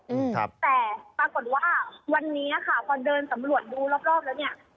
อืมครับแต่ปรากฏว่าวันนี้ค่ะพอเดินสำรวจดูรอบรอบแล้วเนี้ย